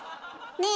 ねえ